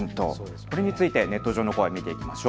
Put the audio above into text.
これについてネット上の声、見ていきましょう。